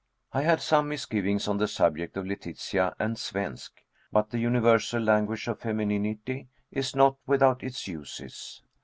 I had some misgivings on the subject of Letitia and svensk, but the universal language of femininity is not without its uses.